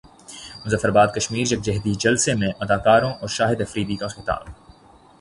مظفراباد کشمیر یکجہتی جلسہ میں اداکاروں اور شاہد افریدی کا خطاب